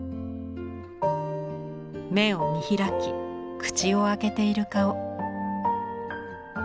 目を見開き口を開けている顔。